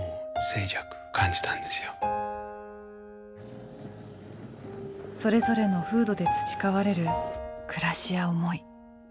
それぞれの風土で培われる暮らしや思い。